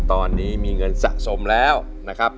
ตอนนี้มีเงินสะสมแล้วนะครับ